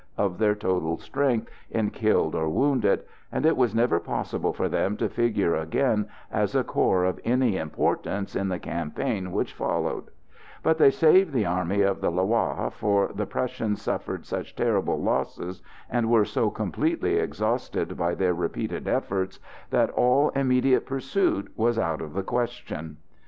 of their total strength in killed or wounded, and it was never possible for them to figure again as a corps of any importance in the campaign which followed; but they saved the Army of the Loire, for the Prussians suffered such terrible losses, and were so completely exhausted by their repeated efforts, that all immediate pursuit was out of the question.